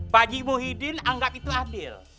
pak jibuhidin anggap itu adil